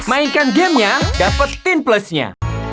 mainkan gamenya dapetin plusnya